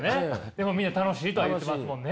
でもみんな楽しいとは言ってますもんね。